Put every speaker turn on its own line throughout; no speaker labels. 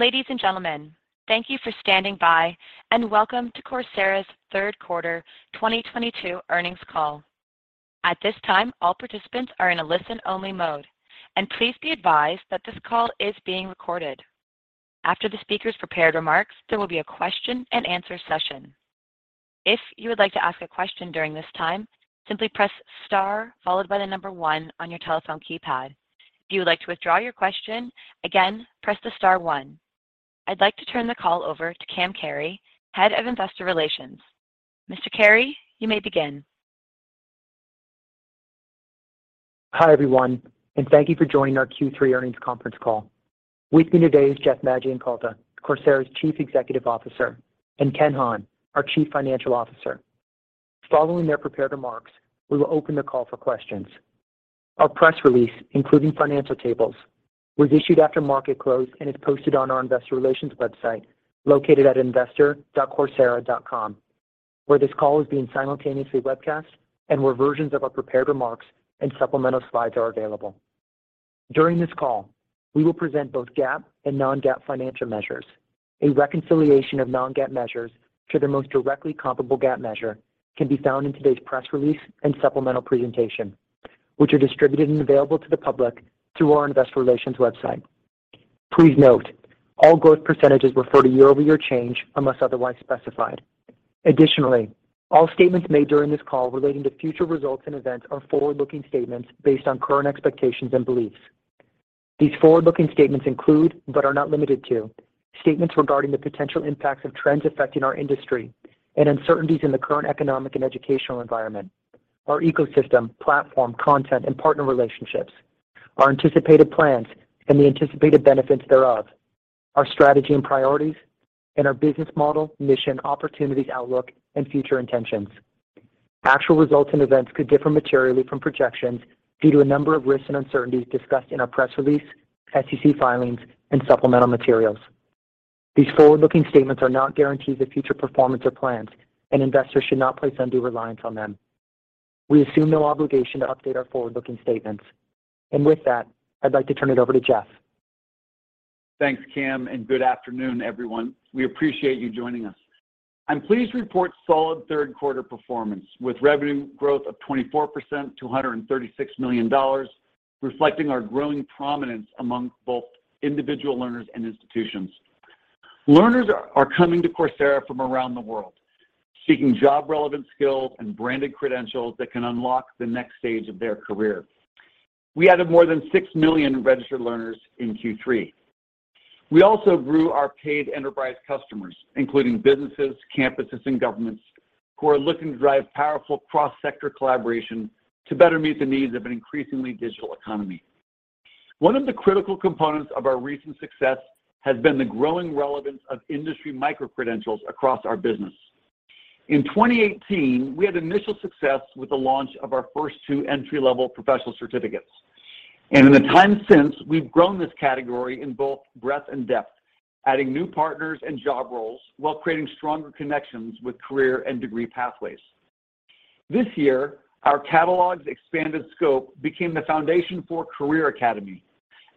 Ladies and gentlemen, thank you for standing by, and welcome to Coursera's third quarter 2022 earnings call. At this time, all participants are in a listen-only mode. Please be advised that this call is being recorded. After the speakers' prepared remarks, there will be a question and answer session. If you would like to ask a question during this time, simply press star followed by the number one on your telephone keypad. If you would like to withdraw your question, again, press the star one. I'd like to turn the call over to Cam Carey, Head of Investor Relations. Mr. Carey, you may begin.
Hi, everyone, and thank you for joining our Q3 earnings conference call. With me today is Jeff Maggioncalda, Coursera's Chief Executive Officer, and Ken Hahn, our Chief Financial Officer. Following their prepared remarks, we will open the call for questions. Our press release, including financial tables, was issued after market close and is posted on our investor relations website located at investor.coursera.com, where this call is being simultaneously webcast and where versions of our prepared remarks and supplemental slides are available. During this call, we will present both GAAP and non-GAAP financial measures. A reconciliation of non-GAAP measures to their most directly comparable GAAP measure can be found in today's press release and supplemental presentation, which are distributed and available to the public through our investor relations website. Please note, all growth percentages refer to year-over-year change unless otherwise specified. Additionally, all statements made during this call relating to future results and events are forward-looking statements based on current expectations and beliefs. These forward-looking statements include, but are not limited to, statements regarding the potential impacts of trends affecting our industry and uncertainties in the current economic and educational environment, our ecosystem, platform, content, and partner relationships, our anticipated plans and the anticipated benefits thereof, our strategy and priorities, and our business model, mission, opportunities, outlook, and future intentions. Actual results and events could differ materially from projections due to a number of risks and uncertainties discussed in our press release, SEC filings, and supplemental materials. These forward-looking statements are not guarantees of future performance or plans, and investors should not place undue reliance on them. We assume no obligation to update our forward-looking statements. With that, I'd like to turn it over to Jeff.
Thanks, Cam, and good afternoon, everyone. We appreciate you joining us. I'm pleased to report solid third quarter performance with revenue growth of 24% to $136 million, reflecting our growing prominence among both individual learners and institutions. Learners are coming to Coursera from around the world, seeking job-relevant skills and branded credentials that can unlock the next stage of their career. We added more than six million registered learners in Q3. We also grew our paid Enterprise customers, including businesses, campuses, and governments who are looking to drive powerful cross-sector collaboration to better meet the needs of an increasingly digital economy. One of the critical components of our recent success has been the growing relevance of industry micro-credentials across our business. In 2018, we had initial success with the launch of our first two entry-level Professional Certificates. In the time since, we've grown this category in both breadth and depth, adding new partners and job roles while creating stronger connections with career and degree pathways. This year, our catalog's expanded scope became the foundation for Career Academy,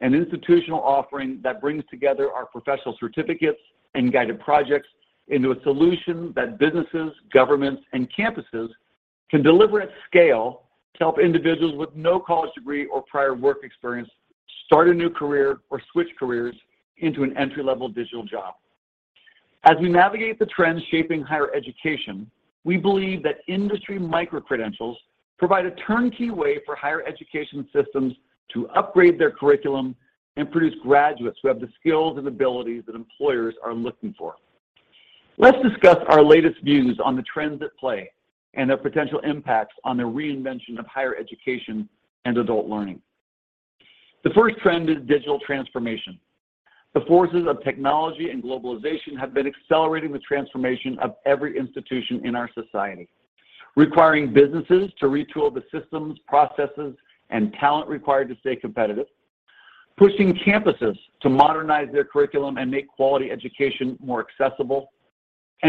an institutional offering that brings together our Professional Certificates and Guided Projects into a solution that businesses, governments, and campuses can deliver at scale to help individuals with no college degree or prior work experience start a new career or switch careers into an entry-level digital job. As we navigate the trends shaping higher education, we believe that industry micro-credentials provide a turnkey way for higher education systems to upgrade their curriculum and produce graduates who have the skills and abilities that employers are looking for. Let's discuss our latest views on the trends at play and their potential impacts on the reinvention of higher education and adult learning. The first trend is digital transformation. The forces of technology and globalization have been accelerating the transformation of every institution in our society, requiring businesses to retool the systems, processes, and talent required to stay competitive. Pushing campuses to modernize their curriculum and make quality education more accessible.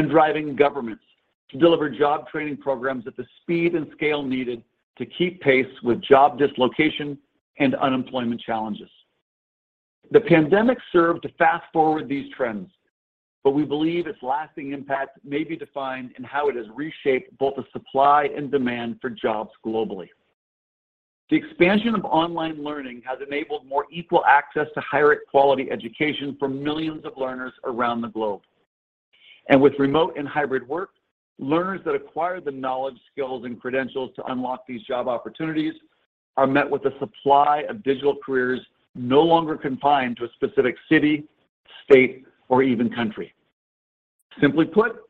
Driving governments to deliver job training programs at the speed and scale needed to keep pace with job dislocation and unemployment challenges. The pandemic served to fast-forward these trends, but we believe its lasting impact may be defined in how it has reshaped both the supply and demand for jobs globally. The expansion of online learning has enabled more equal access to higher quality education for millions of learners around the globe. With remote and hybrid work, learners that acquire the knowledge, skills, and credentials to unlock these job opportunities are met with a supply of digital careers no longer confined to a specific city, state, or even country. Simply put,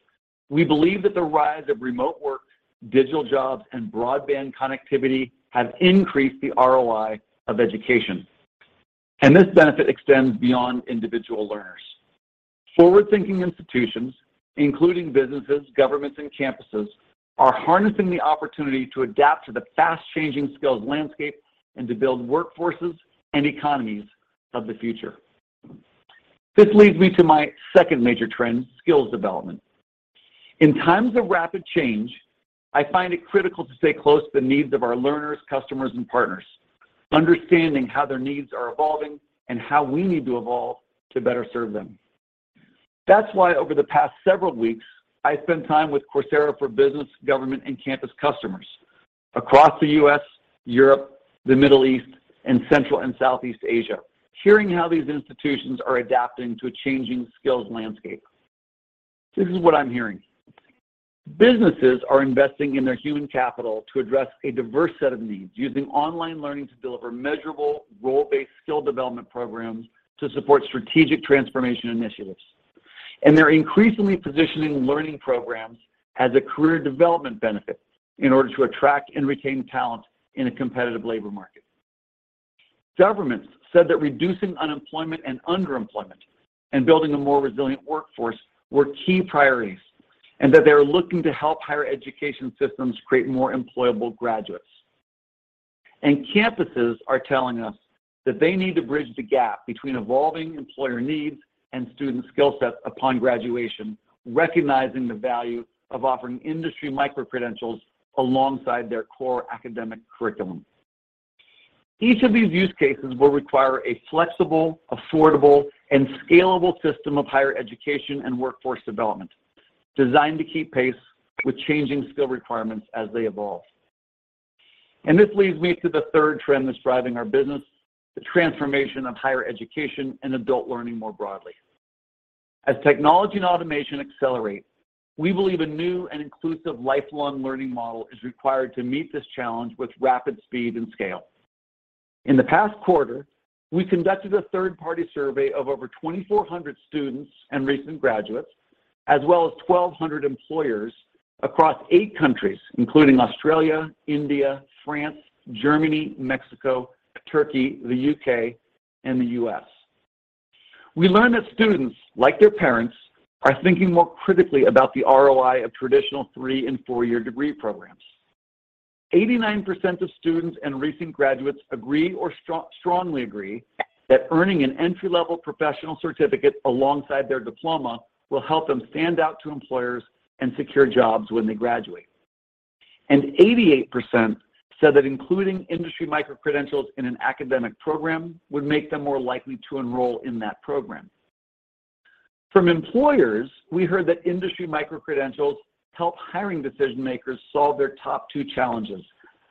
we believe that the rise of remote work, digital jobs, and broadband connectivity have increased the ROI of education. This benefit extends beyond individual learners. Forward-thinking institutions, including businesses, governments, and campuses, are harnessing the opportunity to adapt to the fast-changing skills landscape and to build workforces and economies of the future. This leads me to my second major trend, skills development. In times of rapid change, I find it critical to stay close to the needs of our learners, customers, and partners. Understanding how their needs are evolving and how we need to evolve to better serve them. That's why over the past several weeks, I spent time with Coursera for Business, Government, and Campus customers across the U.S., Europe, the Middle East, and Central and Southeast Asia. Hearing how these institutions are adapting to a changing skills landscape. This is what I'm hearing. Businesses are investing in their human capital to address a diverse set of needs using online learning to deliver measurable, role-based skill development programs to support strategic transformation initiatives. They're increasingly positioning learning programs as a career development benefit in order to attract and retain talent in a competitive labor market. Governments said that reducing unemployment and underemployment and building a more resilient workforce were key priorities, and that they are looking to help higher education systems create more employable graduates. Campuses are telling us that they need to bridge the gap between evolving employer needs and student skill sets upon graduation, recognizing the value of offering industry micro-credentials alongside their core academic curriculum. Each of these use cases will require a flexible, affordable, and scalable system of higher education and workforce development designed to keep pace with changing skill requirements as they evolve. This leads me to the third trend that's driving our business, the transformation of higher education and adult learning more broadly. As technology and automation accelerate, we believe a new and inclusive lifelong learning model is required to meet this challenge with rapid speed and scale. In the past quarter, we conducted a third-party survey of over 2,400 students and recent graduates, as well as 1,200 employers across eight countries, including Australia, India, France, Germany, Mexico, Turkey, the U.K., and the U.S. We learned that students, like their parents, are thinking more critically about the ROI of traditional three and four-year degree programs. 89% of students and recent graduates agree or strongly agree that earning an entry-level professional certificate alongside their diploma will help them stand out to employers and secure jobs when they graduate. 88% said that including industry micro-credentials in an academic program would make them more likely to enroll in that program. From employers, we heard that industry micro-credentials help hiring decision-makers solve their top two challenges,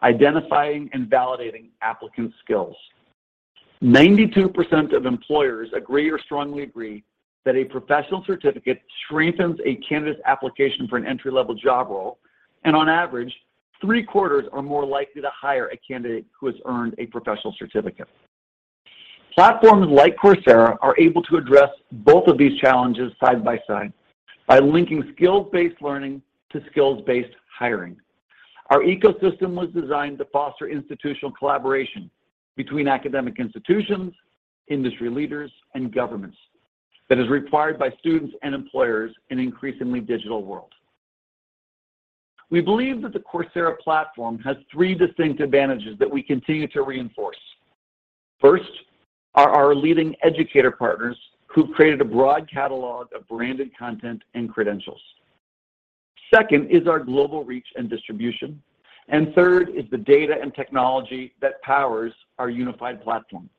identifying and validating applicants' skills. 92% of employers agree or strongly agree that a professional certificate strengthens a candidate's application for an entry-level job role, and on average, three-quarters are more likely to hire a candidate who has earned a professional certificate. Platforms like Coursera are able to address both of these challenges side by side by linking skills-based learning to skills-based hiring. Our ecosystem was designed to foster institutional collaboration between academic institutions, industry leaders, and governments that is required by students and employers in an increasingly digital world. We believe that the Coursera platform has three distinct advantages that we continue to reinforce. First are our leading educator partners who've created a broad catalog of branded content and credentials. Second is our global reach and distribution. Third is the data and technology that powers our unified platform.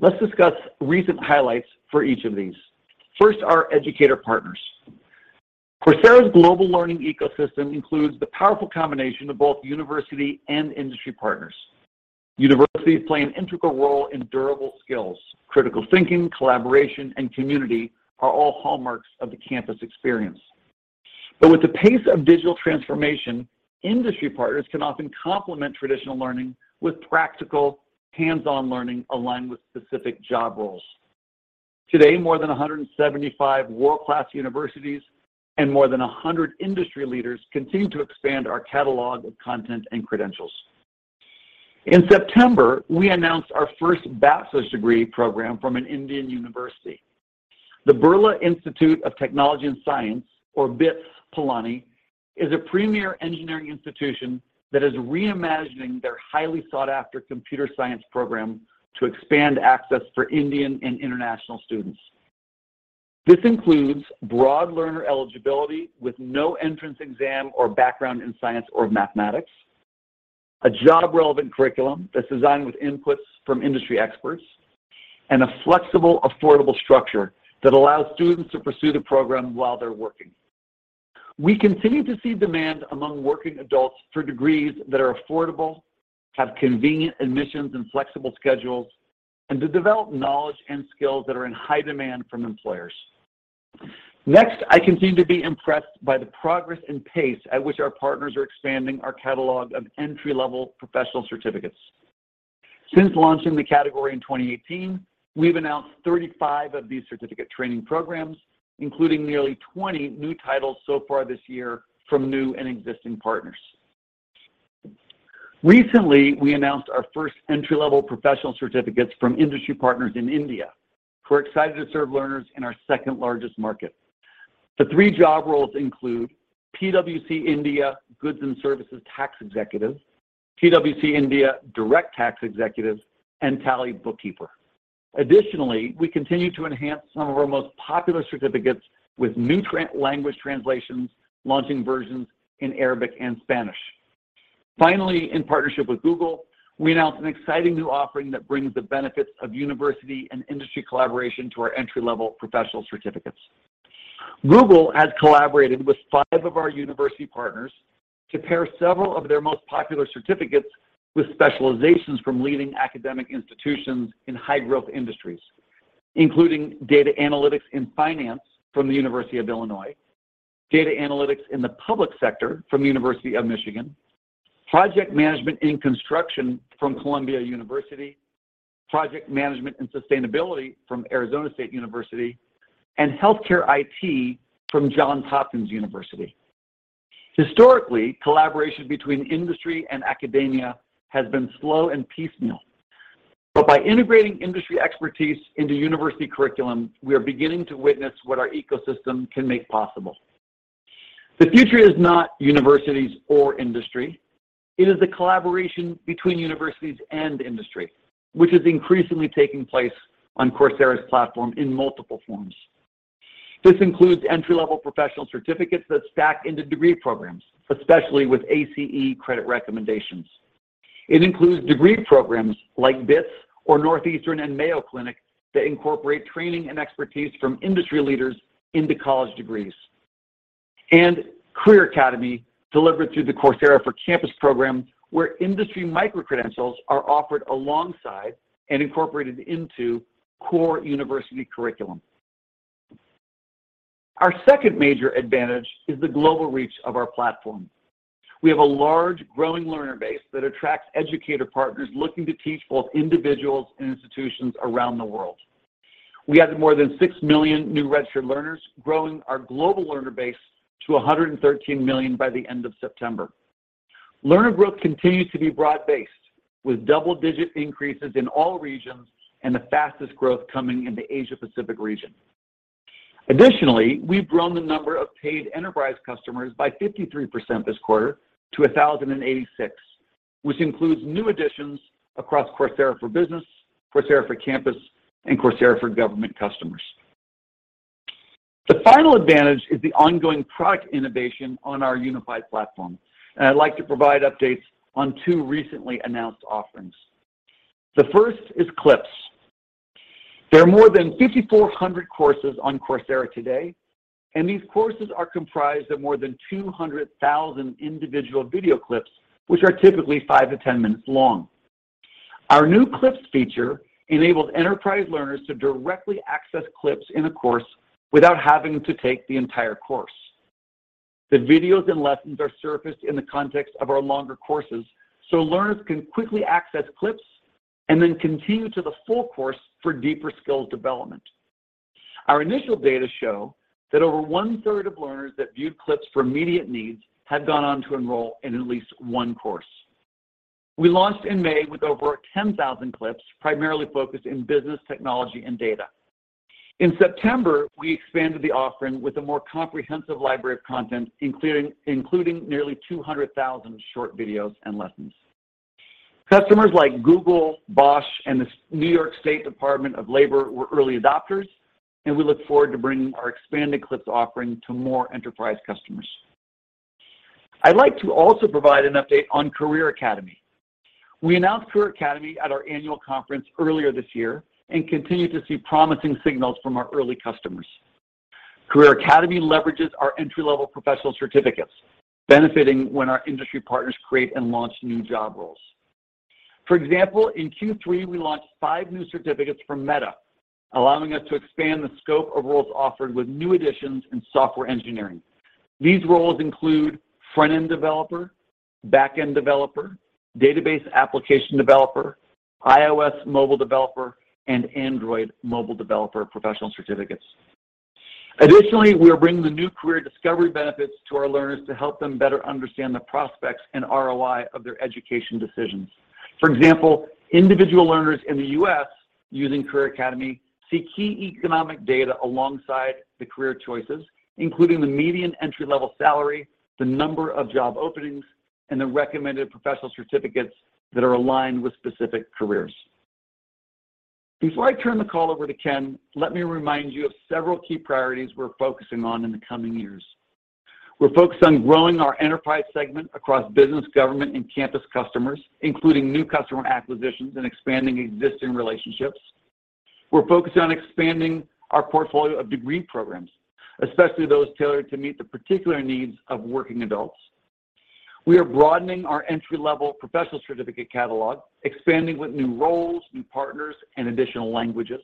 Let's discuss recent highlights for each of these. First, our educator partners. Coursera's global learning ecosystem includes the powerful combination of both university and industry partners. Universities play an integral role in durable skills. Critical thinking, collaboration, and community are all hallmarks of the campus experience. With the pace of digital transformation, industry partners can often complement traditional learning with practical, hands-on learning aligned with specific job roles. Today, more than 175 world-class universities and more than 100 industry leaders continue to expand our catalog of content and credentials. In September, we announced our first bachelor's degree program from an Indian university. The Birla Institute of Technology and Science, or BITS Pilani, is a premier engineering institution that is reimagining their highly sought-after computer science program to expand access for Indian and international students. This includes broad learner eligibility with no entrance exam or background in science or mathematics, a job-relevant curriculum that's designed with inputs from industry experts, and a flexible, affordable structure that allows students to pursue the program while they're working. We continue to see demand among working adults for degrees that are affordable, have convenient admissions and flexible schedules, and to develop knowledge and skills that are in high demand from employers. Next, I continue to be impressed by the progress and pace at which our partners are expanding our catalog of entry-level Professional Certificates. Since launching the category in 2018, we've announced 35 of these certificate training programs, including nearly 20 new titles so far this year from new and existing partners. Recently, we announced our first entry-level Professional Certificates from industry partners in India who are excited to serve learners in our second-largest market. The three job roles include PwC India GST Tax Executive, PwC India Direct Tax Executive, and Tally Bookkeeper. Additionally, we continue to enhance some of our most popular certificates with new language translations, launching versions in Arabic and Spanish. Finally, in partnership with Google, we announced an exciting new offering that brings the benefits of university and industry collaboration to our entry-level Professional Certificates. Google has collaborated with five of our university partners to pair several of their most popular certificates with Specializations from leading academic institutions in high-growth industries, including data analytics in finance from the University of Illinois, data analytics in the public sector from the University of Michigan, project management in construction from Columbia University, project management and sustainability from Arizona State University, and healthcare IT from Johns Hopkins University. Historically, collaboration between industry and academia has been slow and piecemeal. By integrating industry expertise into university curriculum, we are beginning to witness what our ecosystem can make possible. The future is not universities or industry. It is the collaboration between universities and industry, which is increasingly taking place on Coursera's platform in multiple forms. This includes entry-level Professional Certificates that stack into degree programs, especially with ACE Credit recommendations. It includes degree programs like BITS or Northeastern and Mayo Clinic that incorporate training and expertise from industry leaders into college degrees. Career Academy, delivered through the Coursera for Campus program, where industry micro-credentials are offered alongside and incorporated into core university curriculum. Our second major advantage is the global reach of our platform. We have a large, growing learner base that attracts educator partners looking to teach both individuals and institutions around the world. We added more than six million new registered learners, growing our global learner base to 113 million by the end of September. Learner growth continues to be broad-based, with double-digit increases in all regions and the fastest growth coming in the Asia-Pacific region. Additionally, we've grown the number of paid Enterprise customers by 53% this quarter to 1,086, which includes new additions across Coursera for Business, Coursera for Campus, and Coursera for Government customers. The final advantage is the ongoing product innovation on our unified platform. I'd like to provide updates on two recently announced offerings. The first is Clips. There are more than 5,400 courses on Coursera today, and these courses are comprised of more than 200,000 individual video clips, which are typically five to 10 minutes long. Our new Clips feature enables Enterprise learners to directly access clips in a course without having to take the entire course. The videos and lessons are surfaced in the context of our longer courses, so learners can quickly access clips and then continue to the full course for deeper skill development. Our initial data show that over one-third of learners that viewed Clips for immediate needs have gone on to enroll in at least one course. We launched in May with over 10,000 Clips, primarily focused in business, technology, and data. In September, we expanded the offering with a more comprehensive library of content, including nearly 200,000 short videos and lessons. Customers like Google, Bosch, and the New York State Department of Labor were early adopters, and we look forward to bringing our expanded Clips offering to more Enterprise customers. I'd like to also provide an update on Career Academy. We announced Career Academy at our annual conference earlier this year and continue to see promising signals from our early customers. Career Academy leverages our entry-level Professional Certificates, benefiting when our industry partners create and launch new job roles. For example, in Q3, we launched five new certificates from Meta, allowing us to expand the scope of roles offered with new additions in software engineering. These roles include front-end developer, back-end developer, database application developer, iOS mobile developer, and Android mobile developer Professional Certificates. Additionally, we are bringing the new career discovery benefits to our learners to help them better understand the prospects and ROI of their education decisions. For example, individual learners in the U.S. using Career Academy see key economic data alongside the career choices, including the median entry-level salary, the number of job openings, and the recommended Professional Certificates that are aligned with specific careers. Before I turn the call over to Ken, let me remind you of several key priorities we're focusing on in the coming years. We're focused on growing our Enterprise segment across business, government, and campus customers, including new customer acquisitions and expanding existing relationships. We're focused on expanding our portfolio of degree programs, especially those tailored to meet the particular needs of working adults. We are broadening our entry-level professional certificate catalog, expanding with new roles, new partners, and additional languages.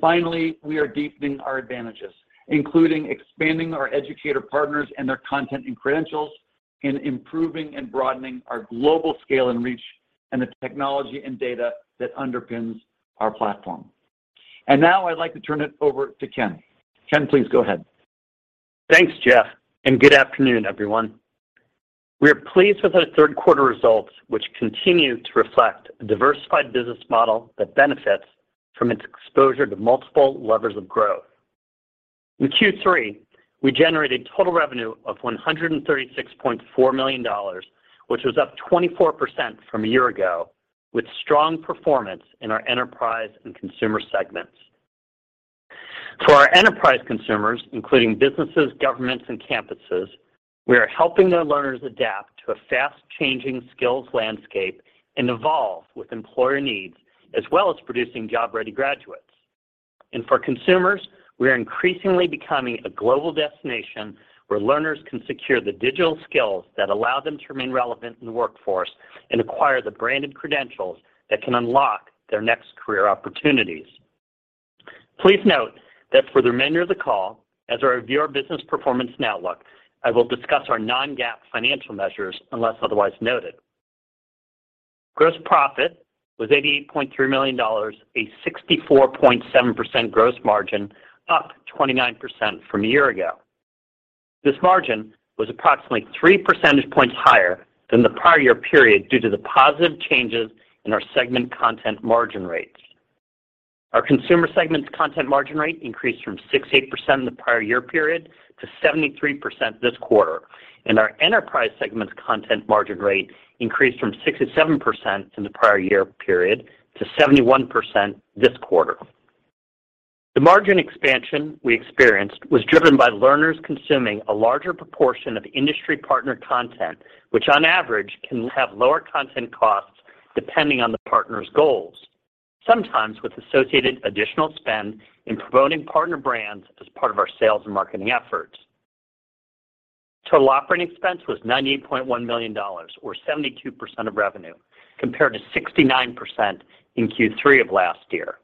Finally, we are deepening our advantages, including expanding our educator partners and their content and credentials, and improving and broadening our global scale and reach and the technology and data that underpins our platform. Now I'd like to turn it over to Ken. Ken, please go ahead.
Thanks, Jeff, and good afternoon, everyone. We are pleased with our third quarter results, which continue to reflect a diversified business model that benefits from its exposure to multiple levers of growth. In Q3, we generated total revenue of $136.4 million, which was up 24% from a year ago, with strong performance in our Enterprise and Consumer segments. For our Enterprise consumers, including businesses, governments, and campuses, we are helping their learners adapt to a fast-changing skills landscape and evolve with employer needs, as well as producing job-ready graduates. For consumers, we are increasingly becoming a global destination where learners can secure the digital skills that allow them to remain relevant in the workforce and acquire the branded credentials that can unlock their next career opportunities. Please note that for the remainder of the call, as I review our business performance and outlook, I will discuss our non-GAAP financial measures unless otherwise noted. Gross profit was $88.3 million, a 64.7% gross margin, up 29% from a year ago. This margin was approximately three percentage points higher than the prior year period due to the positive changes in our segment content margin rates. Our Consumer segment's content margin rate increased from 68% in the prior year period to 73% this quarter. Our Enterprise segment's content margin rate increased from 67% in the prior year period to 71% this quarter. The margin expansion we experienced was driven by learners consuming a larger proportion of industry partner content, which on average can have lower content costs depending on the partner's goals. Sometimes with associated additional spend in promoting partner brands as part of our sales and marketing efforts. Total operating expense was $98.1 million or 72% of revenue, compared to 69% in Q3 of last year.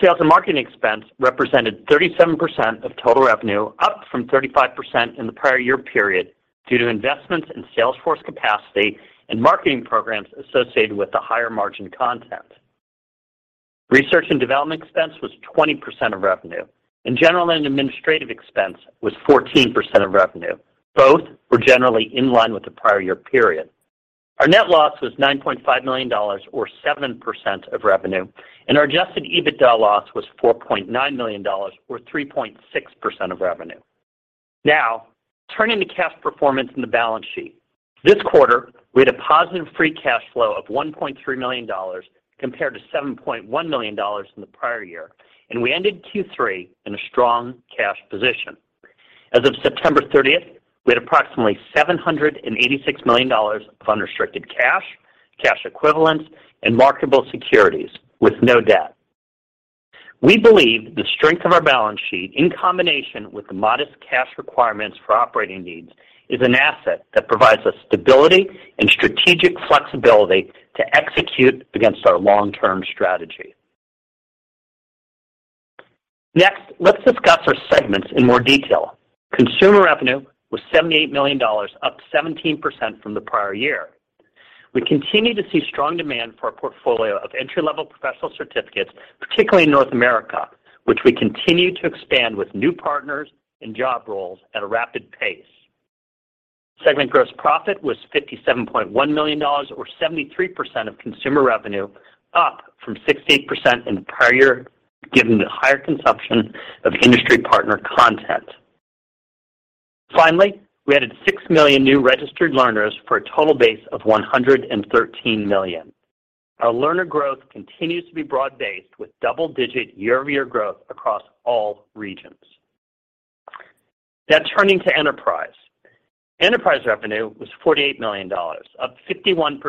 Sales and marketing expense represented 37% of total revenue, up from 35% in the prior year period, due to investments in sales force capacity and marketing programs associated with the higher margin content. Research and development expense was 20% of revenue, and general and administrative expense was 14% of revenue. Both were generally in line with the prior year period. Our net loss was $9.5 million or 7% of revenue, and our adjusted EBITDA loss was $4.9 million or 3.6% of revenue. Now, turning to cash performance in the balance sheet. This quarter, we had a positive free cash flow of $1.3 million compared to $7.1 million in the prior year, and we ended Q3 in a strong cash position. As of September thirtieth, we had approximately $786 million of unrestricted cash equivalents, and marketable securities with no debt. We believe the strength of our balance sheet in combination with the modest cash requirements for operating needs is an asset that provides us stability and strategic flexibility to execute against our long-term strategy. Next, let's discuss our segments in more detail. Consumer revenue was $78 million, up 17% from the prior year. We continue to see strong demand for our portfolio of entry-level Professional Certificates, particularly in North America, which we continue to expand with new partners and job roles at a rapid pace. Segment gross profit was $57.1 million or 73% of Consumer revenue, up from 68% in the prior year, given the higher consumption of industry partner content. Finally, we added six million new registered learners for a total base of 113 million. Our learner growth continues to be broad-based with double-digit year-over-year growth across all regions. Now turning to enterprise. Enterprise revenue was $48 million, up 51%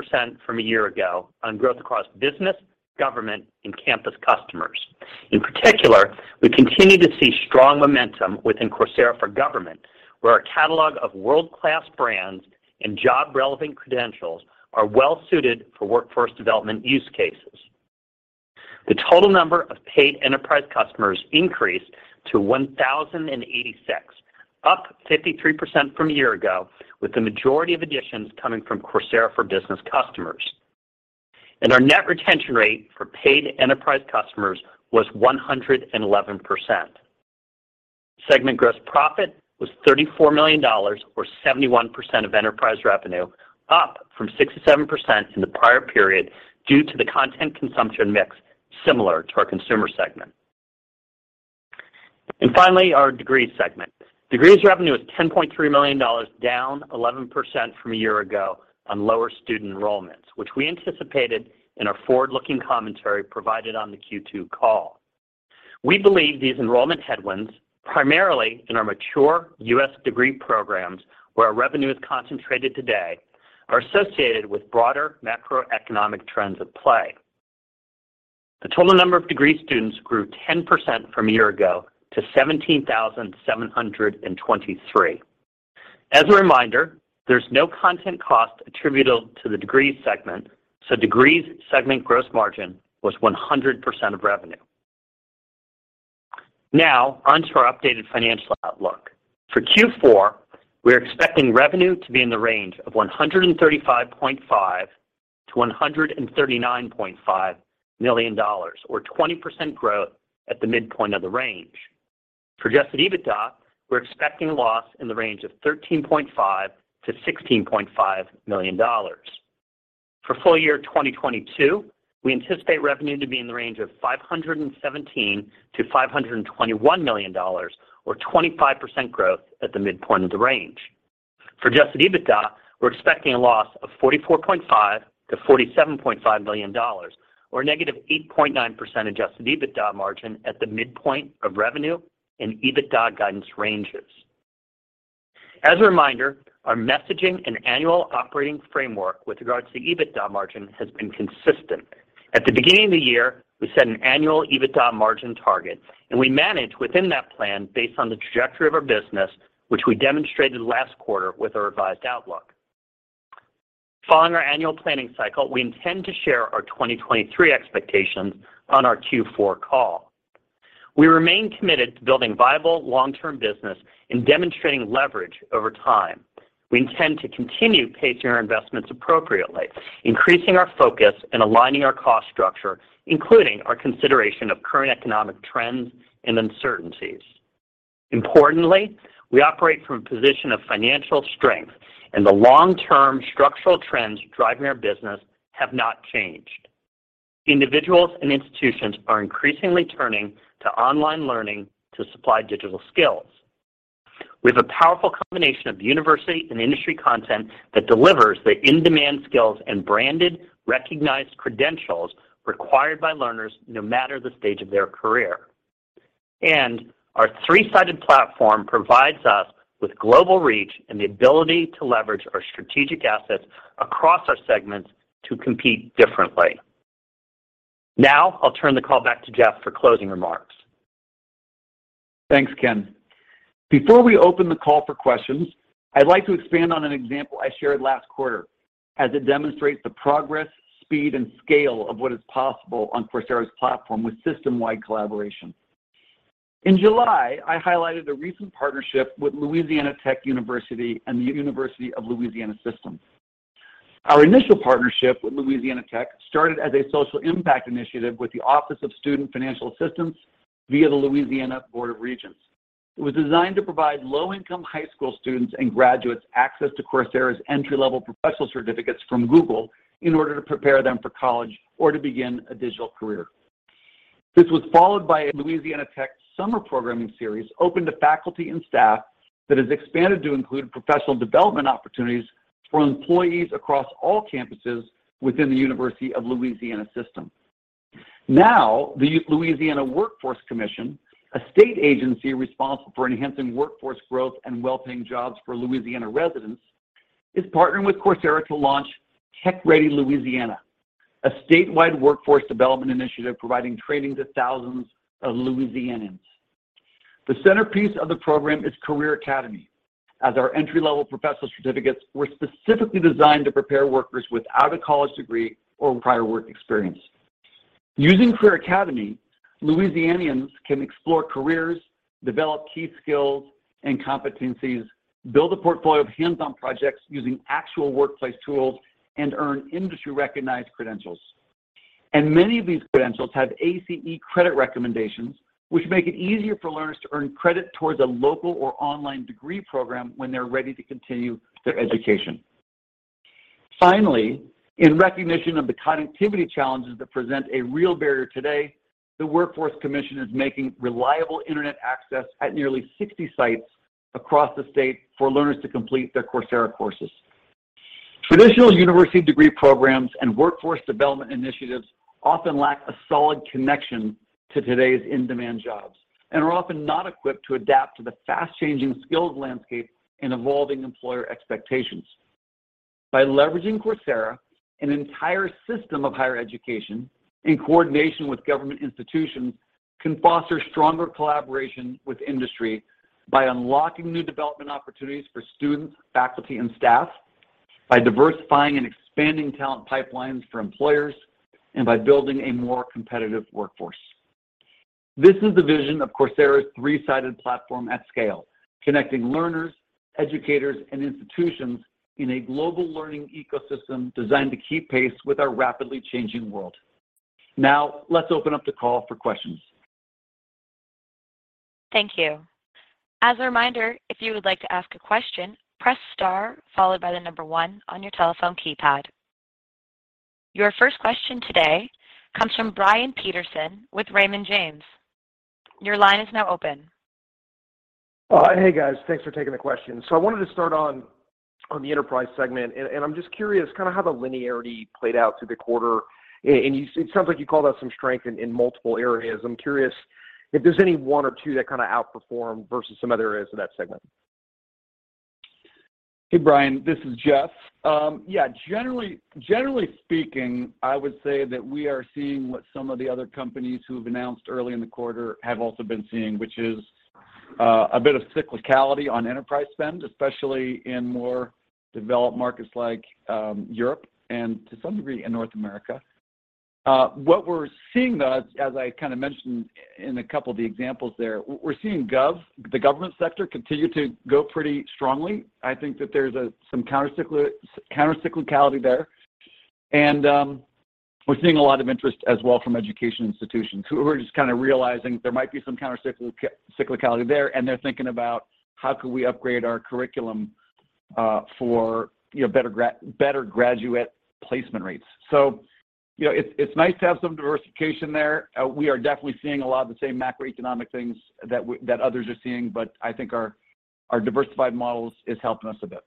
from a year ago on growth across business, government, and campus customers. In particular, we continue to see strong momentum within Coursera for Government, where our catalog of world-class brands and job-relevant credentials are well suited for workforce development use cases. The total number of paid Enterprise customers increased to 1,086, up 53% from a year ago, with the majority of additions coming from Coursera for Business customers. Our net retention rate for paid Enterprise customers was 111%. Segment gross profit was $34 million or 71% of Enterprise revenue, up from 67% in the prior period due to the content consumption mix similar to our Consumer segment. Finally, our degrees segment. Degrees revenue was $10.3 million, down 11% from a year ago on lower student enrollments, which we anticipated in our forward-looking commentary provided on the Q2 call. We believe these enrollment headwinds, primarily in our mature U.S. degree programs, where our revenue is concentrated today, are associated with broader macroeconomic trends at play. The total number of degree students grew 10% from a year ago to 17,723. As a reminder, there's no content cost attributable to the degrees segment, so degrees segment gross margin was 100% of revenue. Now, on to our updated financial outlook. For Q4, we're expecting revenue to be in the range of $135.5 million-$139.5 million or 20% growth at the midpoint of the range. For adjusted EBITDA, we're expecting a loss in the range of $13.5 million-$16.5 million. For full year 2022, we anticipate revenue to be in the range of $517 million-$521 million or 25% growth at the midpoint of the range. For adjusted EBITDA, we're expecting a loss of $44.5 million-$47.5 million or -8.9% adjusted EBITDA margin at the midpoint of revenue and EBITDA guidance ranges. As a reminder, our messaging and annual operating framework with regards to EBITDA margin has been consistent. At the beginning of the year, we set an annual EBITDA margin target, and we manage within that plan based on the trajectory of our business which we demonstrated last quarter with our revised outlook. Following our annual planning cycle, we intend to share our 2023 expectations on our Q4 call. We remain committed to building viable long-term business and demonstrating leverage over time. We intend to continue pacing our investments appropriately, increasing our focus and aligning our cost structure, including our consideration of current economic trends and uncertainties. Importantly, we operate from a position of financial strength, and the long-term structural trends driving our business have not changed. Individuals and institutions are increasingly turning to online learning to supply digital skills. We have a powerful combination of university and industry content that delivers the in-demand skills and branded recognized credentials required by learners no matter the stage of their career. Our three-sided platform provides us with global reach and the ability to leverage our strategic assets across our segments to compete differently. Now, I'll turn the call back to Jeff for closing remarks.
Thanks, Ken. Before we open the call for questions, I'd like to expand on an example I shared last quarter as it demonstrates the progress, speed, and scale of what is possible on Coursera's platform with system-wide collaboration. In July, I highlighted a recent partnership with Louisiana Tech University and the University of Louisiana System. Our initial partnership with Louisiana Tech started as a social impact initiative with the Louisiana Office of Student Financial Assistance via the Louisiana Board of Regents. It was designed to provide low-income high school students and graduates access to Coursera's entry-level Professional Certificates from Google in order to prepare them for college or to begin a digital career. This was followed by a Louisiana Tech summer programming series open to faculty and staff that has expanded to include professional development opportunities for employees across all campuses within the University of Louisiana System. Now, the Louisiana Workforce Commission, a state agency responsible for enhancing workforce growth and well-paying jobs for Louisiana residents, is partnering with Coursera to launch Tech Ready Louisiana, a statewide workforce development initiative providing training to thousands of Louisianans. The centerpiece of the program is Career Academy, as our entry-level Professional Certificates were specifically designed to prepare workers without a college degree or prior work experience. Using Career Academy, Louisianans can explore careers, develop key skills and competencies, build a portfolio of hands-on projects using actual workplace tools, and earn industry-recognized credentials. Many of these credentials have ACE Credit recommendations, which make it easier for learners to earn credit towards a local or online degree program when they're ready to continue their education. Finally, in recognition of the connectivity challenges that present a real barrier today, the Workforce Commission is making reliable internet access at nearly 60 sites across the state for learners to complete their Coursera courses. Traditional university degree programs and workforce development initiatives often lack a solid connection to today's in-demand jobs and are often not equipped to adapt to the fast-changing skills landscape and evolving employer expectations. By leveraging Coursera, an entire system of higher education in coordination with government institutions can foster stronger collaboration with industry by unlocking new development opportunities for students, faculty, and staff, by diversifying and expanding talent pipelines for employers, and by building a more competitive workforce. This is the vision of Coursera's three-sided platform at scale, connecting learners, educators, and institutions in a global learning ecosystem designed to keep pace with our rapidly changing world. Now, let's open up the call for questions.
Thank you. As a reminder, if you would like to ask a question, press star followed by the number one on your telephone keypad. Your first question today comes from Brian Peterson with Raymond James. Your line is now open.
Hey, guys. Thanks for taking the question. I wanted to start on the Enterprise segment. I'm just curious kinda how the linearity played out through the quarter. It sounds like you called out some strength in multiple areas. I'm curious if there's any one or two that kinda outperformed versus some other areas of that segment.
Hey, Brian Peterson. This is Jeff Maggioncalda. Yeah, generally speaking, I would say that we are seeing what some of the other companies who have announced early in the quarter have also been seeing, which is a bit of cyclicality on Enterprise spend, especially in more developed markets like Europe and to some degree in North America. What we're seeing though, as I kinda mentioned in a couple of the examples there, we're seeing the government sector continue to go pretty strongly. I think that there's some countercyclicality there. We're seeing a lot of interest as well from education institutions who are just kind of realizing there might be some countercyclicality there, and they're thinking about how we could upgrade our curriculum for better graduate placement rates. You know, it's nice to have some diversification there. We are definitely seeing a lot of the same macroeconomic things that others are seeing, but I think our diversified models is helping us a bit.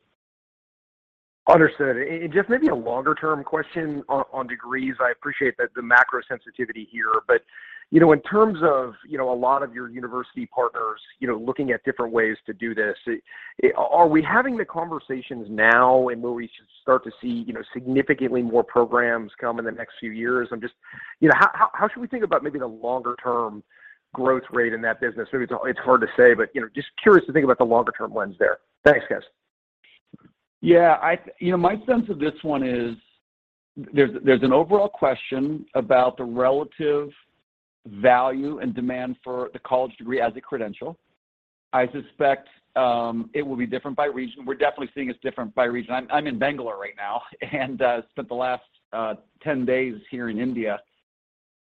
Understood. Just maybe a longer-term question on Degrees. I appreciate that the macro sensitivity here, but, you know, in terms of, you know, a lot of your university partners, you know, looking at different ways to do this, are we having the conversations now and where we should start to see, you know, significantly more programs come in the next few years? I'm just, you know, how should we think about maybe the longer-term growth rate in that business? Maybe it's hard to say, but, you know, just curious to think about the longer-term lens there. Thanks, guys.
Yeah. You know, my sense of this one is there's an overall question about the relative value and demand for the college degree as a credential. I suspect it will be different by region. We're definitely seeing it's different by region. I'm in Bangalore right now and spent the last 10 days here in India.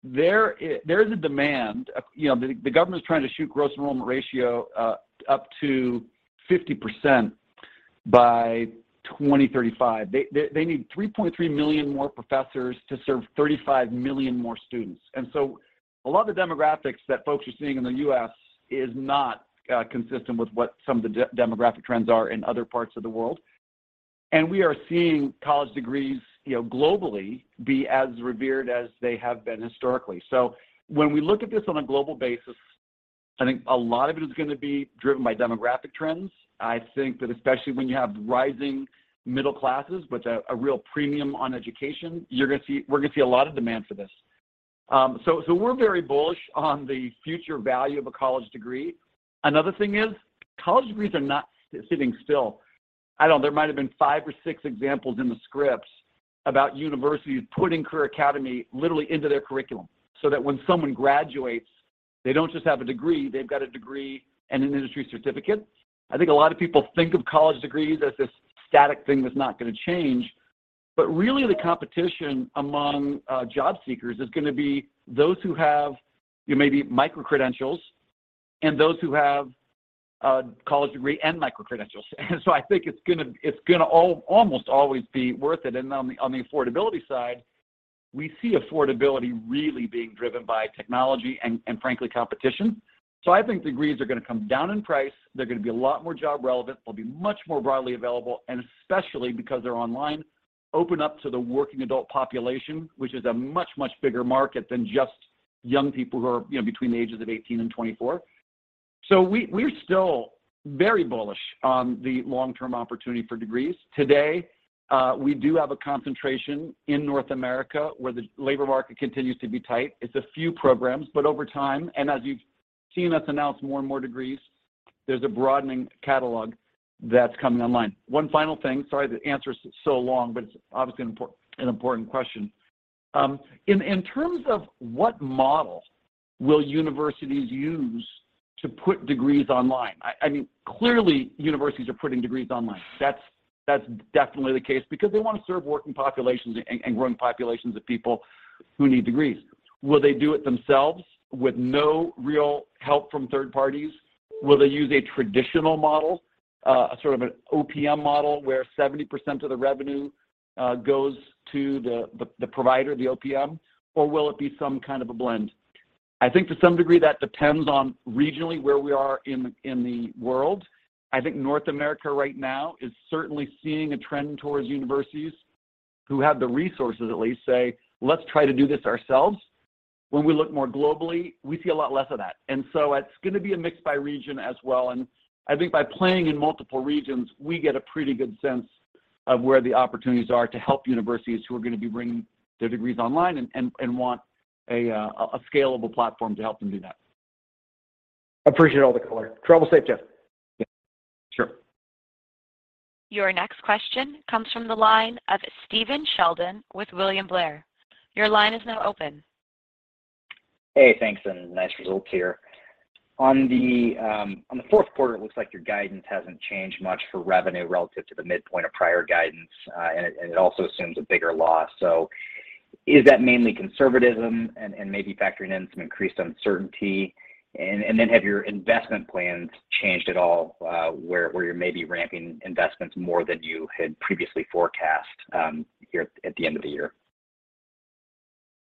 There is a demand. You know, the government's trying to shoot gross enrollment ratio up to 50% by 2035. They need 3.3 million more professors to serve 35 million more students. A lot of the demographics that folks are seeing in the U.S. is not consistent with what some of the demographic trends are in other parts of the world. We are seeing college degrees, you know, globally be as revered as they have been historically. When we look at this on a global basis, I think a lot of it is gonna be driven by demographic trends. I think that especially when you have rising middle classes, but a real premium on education, you're gonna see we're gonna see a lot of demand for this. We're very bullish on the future value of a college degree. Another thing is, college degrees are not sitting still. I know there might have been five or six examples in the scripts about universities putting Career Academy literally into their curriculum so that when someone graduates, they don't just have a degree, they've got a degree and an industry certificate. I think a lot of people think of college degrees as this static thing that's not gonna change. Really the competition among job seekers is gonna be those who have, you know, maybe microcredentials and those who have a college degree and microcredentials. I think it's gonna almost always be worth it. On the affordability side, we see affordability really being driven by technology and frankly competition. I think degrees are gonna come down in price. They're gonna be a lot more job relevant. They'll be much more broadly available, and especially because they're online, open up to the working adult population, which is a much bigger market than just young people who are, you know, between the ages of 18 and 24. We're still very bullish on the long-term opportunity for degrees. Today, we do have a concentration in North America, where the labor market continues to be tight. It's a few programs, but over time, and as you've seen us announce more and more degrees, there's a broadening catalog that's coming online. One final thing. Sorry the answer is so long, but it's obviously an important question. In terms of what model will universities use to put degrees online, I mean, clearly universities are putting degrees online. That's definitely the case because they want to serve working populations and growing populations of people who need degrees. Will they do it themselves with no real help from third parties? Will they use a traditional model, a sort of an OPM model, where 70% of the revenue goes to the provider, the OPM, or will it be some kind of a blend? I think to some degree, that depends on regionally where we are in the world. I think North America right now is certainly seeing a trend towards universities who have the resources at least say, "Let's try to do this ourselves." When we look more globally, we see a lot less of that. It's gonna be a mix by region as well, and I think by playing in multiple regions, we get a pretty good sense of where the opportunities are to help universities who are gonna be bringing their degrees online and want a scalable platform to help them do that.
Appreciate all the color. Travel safe, Jeff.
Yeah. Sure.
Your next question comes from the line of Stephen Sheldon with William Blair. Your line is now open.
Hey, thanks, nice results here. On the fourth quarter, it looks like your guidance hasn't changed much for revenue relative to the midpoint of prior guidance, and it also assumes a bigger loss. Is that mainly conservatism and maybe factoring in some increased uncertainty? Then have your investment plans changed at all, where you're maybe ramping investments more than you had previously forecast, here at the end of the year?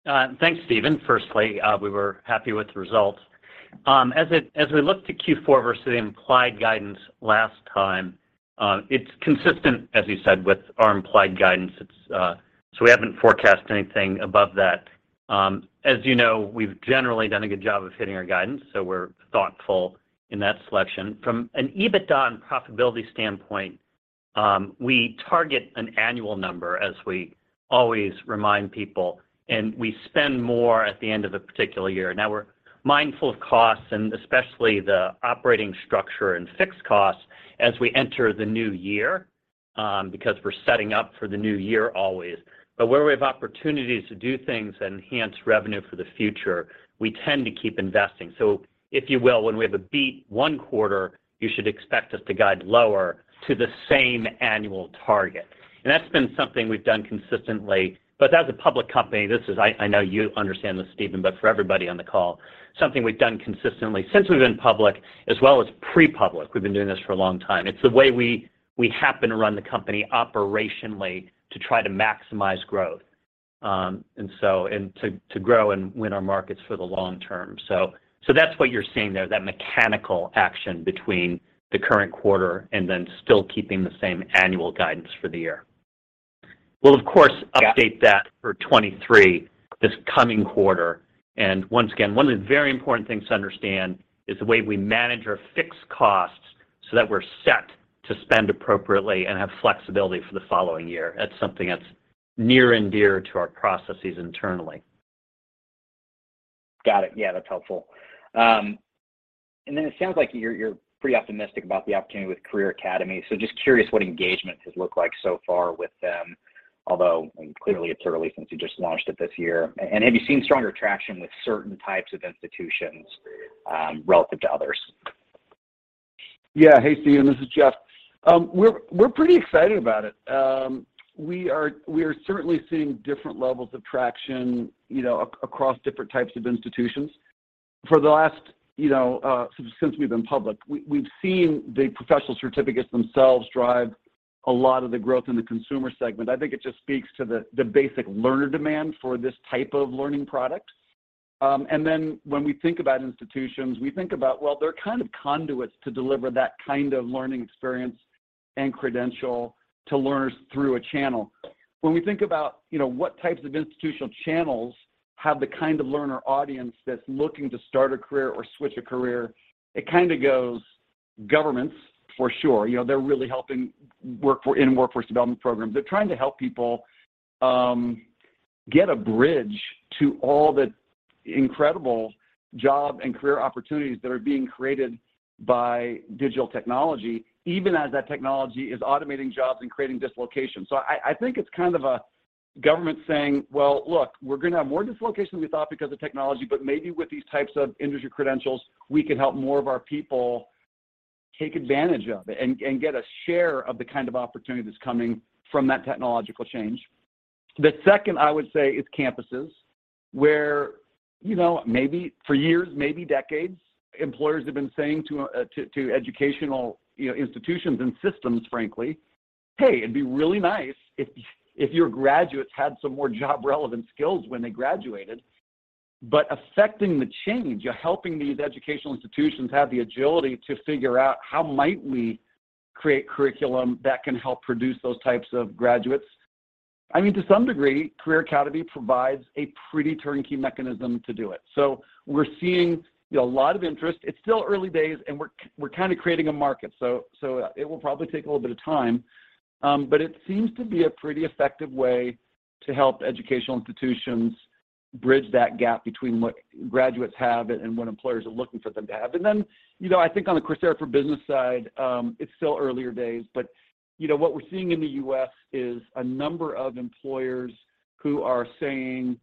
Thanks, Stephen. Firstly, we were happy with the results. As we look to Q4 versus the implied guidance last time, it's consistent, as you said, with our implied guidance. We haven't forecast anything above that. As you know, we've generally done a good job of hitting our guidance, so we're thoughtful in that selection. From an EBITDA and profitability standpoint, we target an annual number, as we always remind people, and we spend more at the end of a particular year. We're mindful of costs and especially the operating structure and fixed costs as we enter the new year. Because we're setting up for the new year always. Where we have opportunities to do things and enhance revenue for the future, we tend to keep investing. If you will, when we have a beat one quarter, you should expect us to guide lower to the same annual target. That's been something we've done consistently. As a public company, this is. I know you understand this, Stephen, but for everybody on the call, something we've done consistently since we've been public as well as pre-public, we've been doing this for a long time. It's the way we happen to run the company operationally to try to maximize growth and to grow and win our markets for the long term. That's what you're seeing there, that mechanical action between the current quarter and then still keeping the same annual guidance for the year. We'll of course update that for 2023 this coming quarter. once again, one of the very important things to understand is the way we manage our fixed costs so that we're set to spend appropriately and have flexibility for the following year. That's something that's near and dear to our processes internally.
Got it. Yeah, that's helpful. It sounds like you're pretty optimistic about the opportunity with Career Academy, so just curious what engagement has looked like so far with them, although clearly it's early since you just launched it this year. Have you seen stronger traction with certain types of institutions, relative to others?
Yeah. Hey, Stephen, this is Jeff. We're pretty excited about it. We are certainly seeing different levels of traction, you know, across different types of institutions. For the last, you know, since we've been public, we've seen the Professional Certificates themselves drive a lot of the growth in the Consumer segment. I think it just speaks to the basic learner demand for this type of learning product. When we think about institutions, we think about, well, they're kind of conduits to deliver that kind of learning experience and credential to learners through a channel. When we think about, you know, what types of institutional channels have the kind of learner audience that's looking to start a career or switch a career, it kinda goes governments for sure. You know, they're really helping in workforce development programs. They're trying to help people get a bridge to all the incredible job and career opportunities that are being created by digital technology, even as that technology is automating jobs and creating dislocation. I think it's kind of a government saying, "Well, look, we're gonna have more dislocation than we thought because of technology, but maybe with these types of industry credentials, we can help more of our people take advantage of it and get a share of the kind of opportunity that's coming from that technological change." The second I would say is campuses, where, you know, maybe for years, maybe decades, employers have been saying to educational, you know, institutions and systems, frankly, "Hey, it'd be really nice if your graduates had some more job relevant skills when they graduated." Effecting the change, you're helping these educational institutions have the agility to figure out how might we create curriculum that can help produce those types of graduates. I mean, to some degree, Career Academy provides a pretty turnkey mechanism to do it. We're seeing, you know, a lot of interest. It's still early days, and we're kinda creating a market. It will probably take a little bit of time. But it seems to be a pretty effective way to help educational institutions bridge that gap between what graduates have and what employers are looking for them to have. Then, you know, I think on the Coursera for Business side, it's still earlier days, but, you know, what we're seeing in the U.S. is a number of employers who are saying,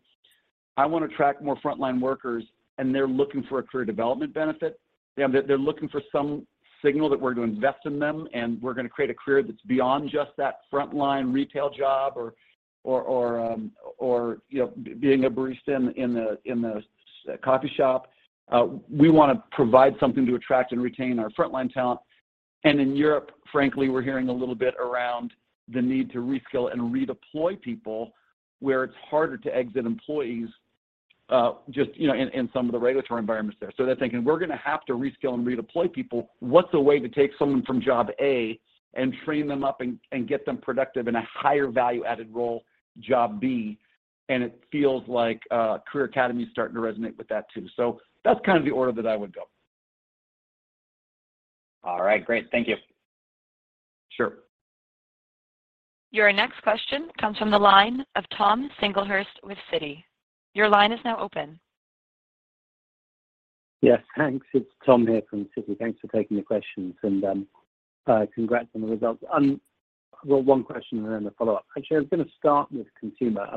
"I wanna attract more frontline workers," and they're looking for a career development benefit. You know, they're looking for some signal that we're going to invest in them, and we're gonna create a career that's beyond just that frontline retail job or, you know, being a barista in the coffee shop. We wanna provide something to attract and retain our frontline talent. In Europe, frankly, we're hearing a little bit around the need to reskill and redeploy people where it's harder to exit employees, just, you know, in some of the regulatory environments there. They're thinking, "We're gonna have to reskill and redeploy people. What's a way to take someone from job A and train them up and get them productive in a higher value-added role, job B?" It feels like Career Academy is starting to resonate with that too. That's kind of the order that I would go.
All right, great. Thank you.
Sure.
Your next question comes from the line of Tom Singlehurst with Citi. Your line is now open.
Yes. Thanks. It's Tom Singlehurst here from Citi. Thanks for taking the questions, and congrats on the results. I've got one question and then a follow-up. Actually, I'm gonna start with consumer.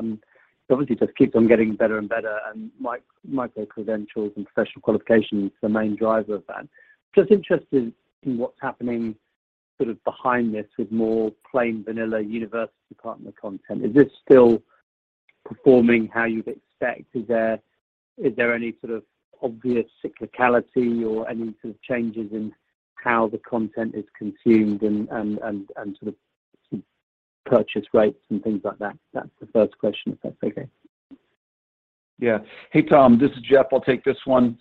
Obviously just keeps on getting better and better, and microcredentials and professional qualifications is the main driver of that. Just interested in what's happening sort of behind this with more plain vanilla university partner content. Is this still performing how you'd expect? Is there any sort of obvious cyclicality or any sort of changes in how the content is consumed and sort of purchase rates and things like that? That's the first question, if that's okay.
Yeah. Hey, Tom. This is Jeff. I'll take this one.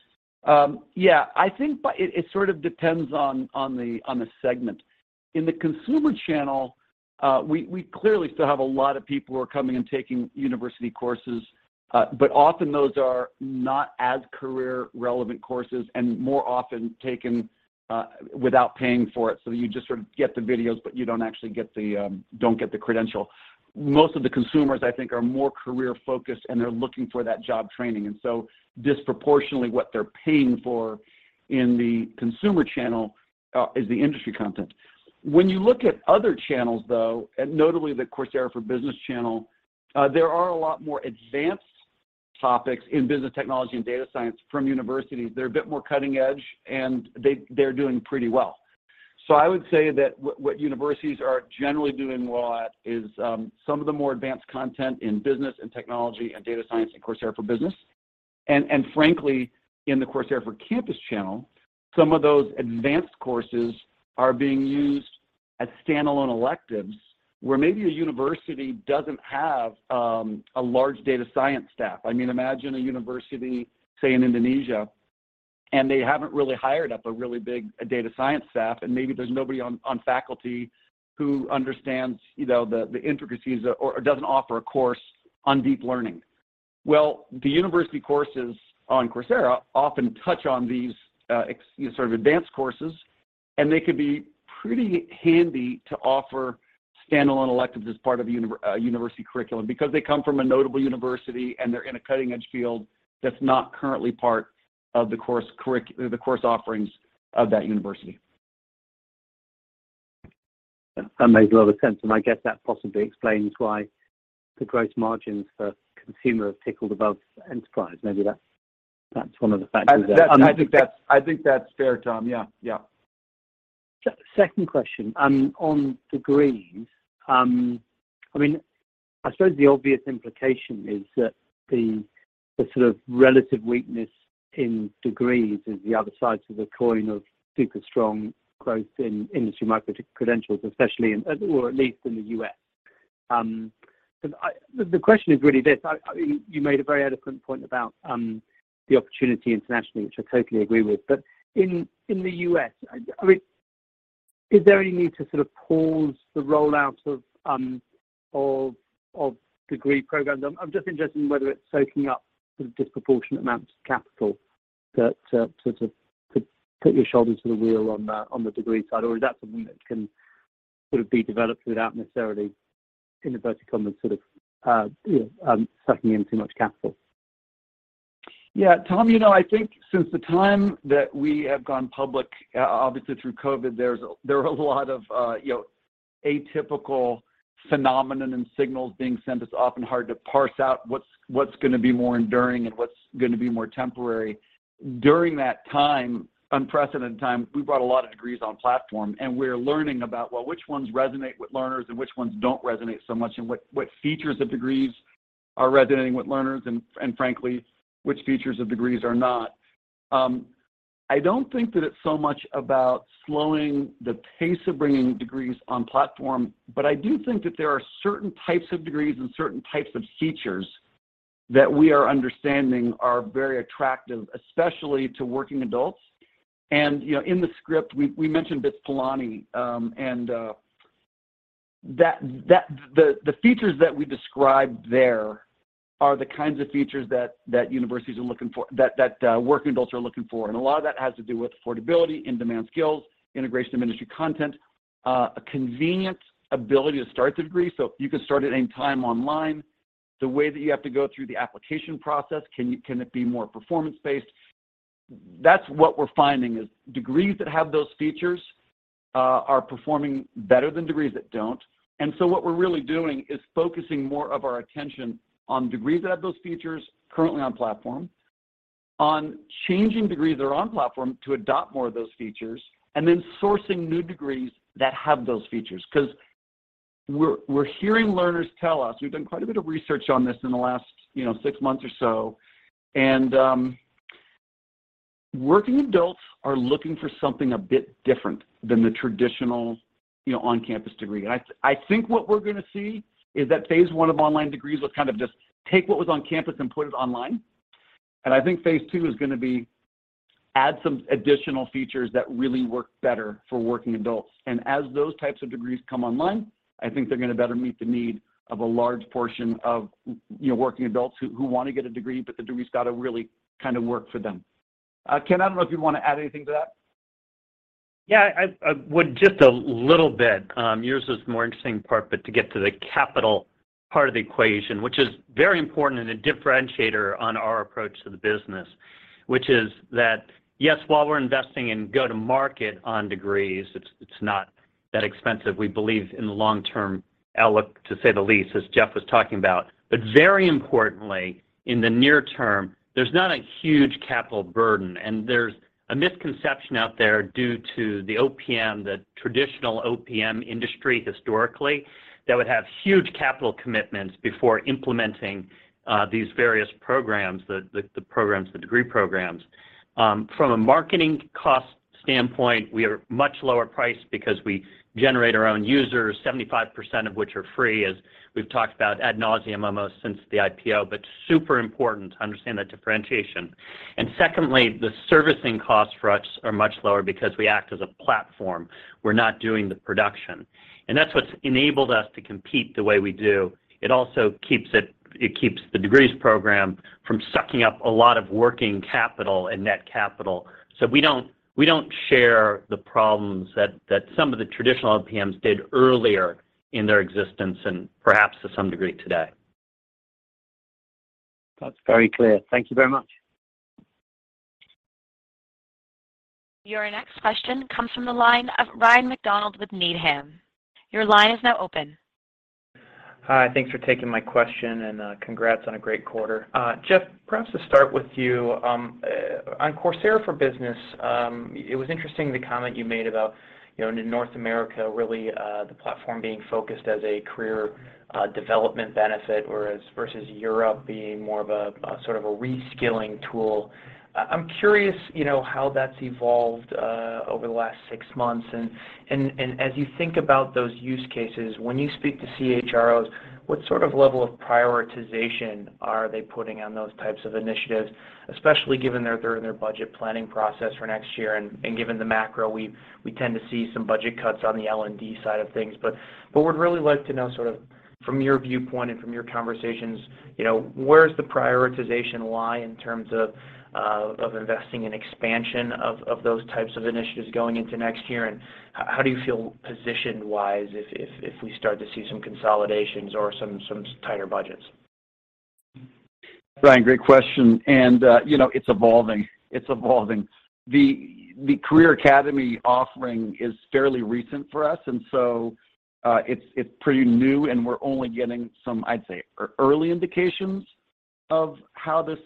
Yeah. I think it sort of depends on the segment. In the Consumer channel, we clearly still have a lot of people who are coming and taking university courses, but often those are not as career relevant courses and more often taken without paying for it. So you just sort of get the videos, but you don't actually get the credential. Most of the consumers, I think, are more career-focused, and they're looking for that job training. Disproportionately, what they're paying for in the Consumer channel is the industry content. When you look at other channels, though, and notably the Coursera for Business channel, there are a lot more advanced topics in business technology and data science from universities. They're a bit more cutting edge, and they're doing pretty well. I would say that what universities are generally doing well at is some of the more advanced content in business and technology and data science in Coursera for Business. Frankly, in the Coursera for Campus channel, some of those advanced courses are being used as standalone electives where maybe a university doesn't have a large data science staff. I mean, imagine a university, say, in Indonesia, and they haven't really hired up a really big data science staff, and maybe there's nobody on faculty who understands, you know, the intricacies or doesn't offer a course on deep learning. Well, the university courses on Coursera often touch on these, you know, sort of advanced courses, and they could be pretty handy to offer standalone electives as part of a university curriculum because they come from a notable university, and they're in a cutting-edge field that's not currently part of the course offerings of that university.
That makes a lot of sense, and I guess that possibly explains why the gross margins for Consumer have ticked above enterprise. Maybe that's one of the factors.
I think that's fair, Tom. Yeah. Yeah.
Second question on degrees. I mean, I suppose the obvious implication is that the sort of relative weakness in degrees is the other side to the coin of super strong growth in industry micro credentials, especially in, or at least in the U.S. The question is really this. I mean, you made a very eloquent point about the opportunity internationally, which I totally agree with. In the U.S., I mean, is there any need to sort of pause the rollout of degree programs? I'm just interested in whether it's soaking up sort of disproportionate amounts of capital that sort of put your shoulder to the wheel on the Degree side, or is that something that can sort of be developed without necessarily, in inverted commas, sort of you know sucking in too much capital?
Yeah. Tom, you know, I think since the time that we have gone public, obviously through COVID, there are a lot of, you know, atypical phenomenon and signals being sent. It's often hard to parse out what's gonna be more enduring and what's gonna be more temporary. During that time, unprecedented time, we brought a lot of degrees on platform, and we're learning about, well, which ones resonate with learners and which ones don't resonate so much, and what features of degrees are resonating with learners and frankly, which features of degrees are not. I don't think that it's so much about slowing the pace of bringing degrees on platform, but I do think that there are certain types of degrees and certain types of features that we are understanding are very attractive, especially to working adults. You know, in the script, we mentioned BITS Pilani, and that the features that we described there are the kinds of features that working adults are looking for. A lot of that has to do with affordability, in-demand skills, integration of industry content, a convenient ability to start the degree, so you can start at any time online. The way that you have to go through the application process, can it be more performance-based? That's what we're finding is degrees that have those features are performing better than degrees that don't. What we're really doing is focusing more of our attention on degrees that have those features currently on platform, on changing degrees that are on platform to adopt more of those features, and then sourcing new degrees that have those features. 'Cause we're hearing learners tell us, we've done quite a bit of research on this in the last, you know, six months or so, and working adults are looking for something a bit different than the traditional, you know, on-campus degree. I think what we're gonna see is that Phase 1 of online degrees was kind of just take what was on campus and put it online. I think Phase 2 is gonna be add some additional features that really work better for working adults. As those types of degrees come online, I think they're gonna better meet the need of a large portion of you know, working adults who wanna get a degree, but the degree's gotta really kind of work for them. Ken, I don't know if you wanna add anything to that.
Yeah, I would just a little bit, yours is the more interesting part, but to get to the capital part of the equation, which is very important and a differentiator on our approach to the business, which is that, yes, while we're investing in go-to-market on degrees, it's not that expensive. We believe in the long-term outlook, to say the least, as Jeff was talking about. Very importantly, in the near term, there's not a huge capital burden, and there's a misconception out there due to the OPM, the traditional OPM industry historically, that would have huge capital commitments before implementing these various programs, the degree programs. From a marketing cost standpoint, we are much lower priced because we generate our own users, 75% of which are free, as we've talked about ad nauseam almost since the IPO, but super important to understand that differentiation. Secondly, the servicing costs for us are much lower because we act as a platform. We're not doing the production. And that's what's enabled us to compete the way we do. It also keeps the degrees program from sucking up a lot of working capital and net capital. We don't share the problems that some of the traditional OPMs did earlier in their existence and perhaps to some degree today.
That's very clear. Thank you very much.
Your next question comes from the line of Ryan MacDonald with Needham & Company. Your line is now open.
Hi, thanks for taking my question, and congrats on a great quarter. Jeff, perhaps to start with you, on Coursera for Business, it was interesting the comment you made about, you know, in North America, really, the platform being focused as a career development benefit, whereas versus Europe being more of a sort of a reskilling tool. I'm curious, you know, how that's evolved over the last six months. As you think about those use cases, when you speak to CHROs, what sort of level of prioritization are they putting on those types of initiatives, especially given they're in their budget planning process for next year, and given the macro, we tend to see some budget cuts on the L&D side of things. What we'd really like to know sort of from your viewpoint and from your conversations, you know, where's the prioritization lie in terms of investing in expansion of those types of initiatives going into next year, and how do you feel position-wise if we start to see some consolidations or some tighter budgets?
Ryan, great question. You know, it's evolving. The Career Academy offering is fairly recent for us and so, it's pretty new, and we're only getting some, I'd say, early indications of how this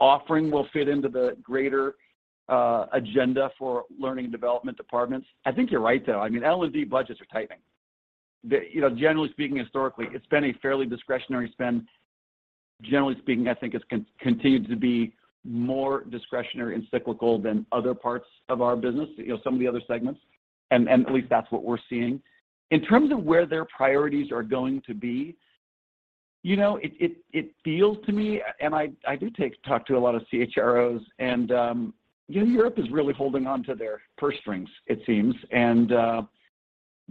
offering will fit into the greater agenda for learning and development departments. I think you're right, though. I mean, L&D budgets are tightening. You know, generally speaking, historically, it's been a fairly discretionary spend. Generally speaking, I think it's continued to be more discretionary and cyclical than other parts of our business, you know, some of the other segments and at least that's what we're seeing. In terms of where their priorities are going to be, you know, it feels to me, and I do talk to a lot of CHROs and, you know, Europe is really holding onto their purse strings, it seems.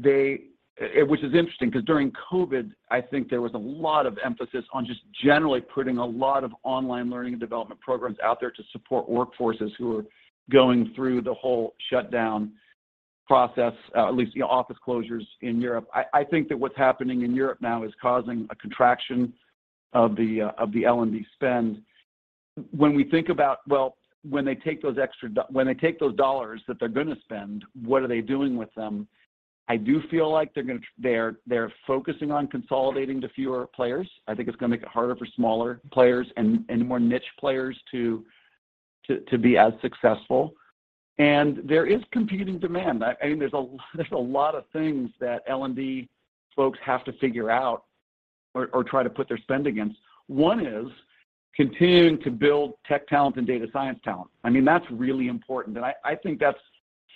Which is interesting 'cause during COVID, I think there was a lot of emphasis on just generally putting a lot of online learning and development programs out there to support workforces who are going through the whole shutdown process, at least, you know, office closures in Europe. I think that what's happening in Europe now is causing a contraction of the L&D spend. When we think about, well, when they take those dollars that they're gonna spend, what are they doing with them? I do feel like they're focusing on consolidating to fewer players. I think it's gonna make it harder for smaller players and more niche players to be as successful. There is competing demand. I mean, there's a lot of things that L&D folks have to figure out or try to put their spend against. One is continuing to build tech talent and data science talent. I mean, that's really important, and I think that's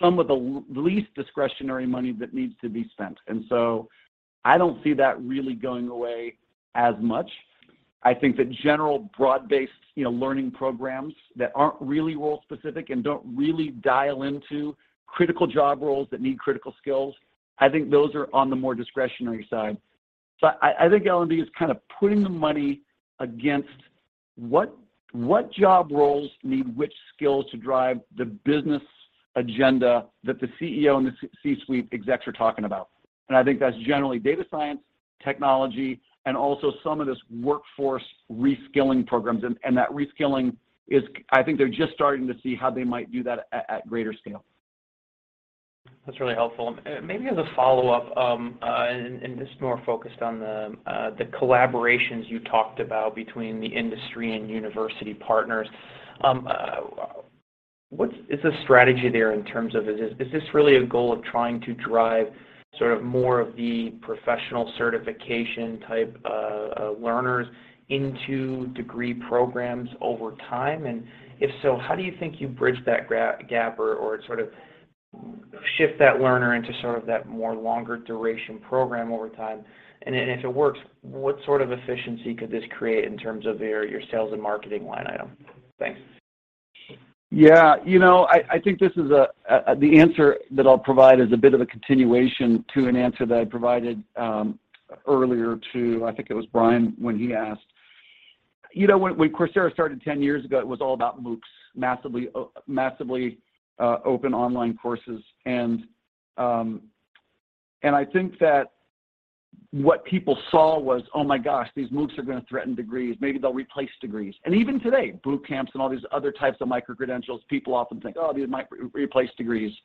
some of the least discretionary money that needs to be spent. I don't see that really going away as much. I think the general broad-based, you know, learning programs that aren't really role-specific and don't really dial into critical job roles that need critical skills, I think those are on the more discretionary side. I think L&D is kinda putting the money against what job roles need which skills to drive the business agenda that the CEO and the C-suite execs are talking about. I think that's generally data science, technology, and also some of this workforce reskilling programs. That reskilling is, I think, they're just starting to see how they might do that at greater scale.
That's really helpful. Maybe as a follow-up, just more focused on the collaborations you talked about between the industry and university partners. What's the strategy there in terms of, is this really a goal of trying to drive sort of more of the professional certification type learners into degree programs over time? If so, how do you think you bridge that gap or sort of shift that learner into sort of that more longer duration program over time? If it works, what sort of efficiency could this create in terms of your sales and marketing line item? Thanks.
Yeah, you know, I think this is a. The answer that I'll provide is a bit of a continuation to an answer that I provided earlier to, I think it was Brian, when he asked. You know, when Coursera started 10 years ago, it was all about MOOCs, massively open online courses. I think that what people saw was, "Oh my gosh, these MOOCs are gonna threaten degrees. Maybe they'll replace degrees." Even today, boot camps and all these other types of microcredentials, people often think, "Oh, these might replace degrees."